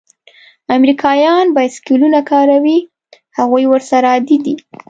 امریکایان بایسکلونه کاروي؟ هغوی ورسره عادي دي.